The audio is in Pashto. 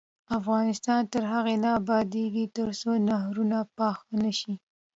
افغانستان تر هغو نه ابادیږي، ترڅو نهرونه پاخه نشي.